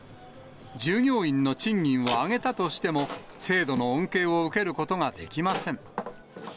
従業員の賃金を上げたとしても、制度の恩恵を受けることができません。